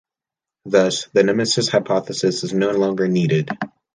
Thus, the Nemesis hypothesis is no longer needed.